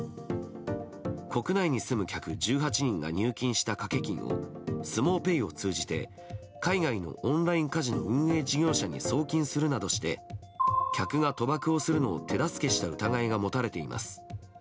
国内に住む客１８人が入金したかけ金をスモウペイを通じて、海外のオンラインカジノ運営事業者に送金するなどして客が賭博をするのを手助けした疑いが持たれています。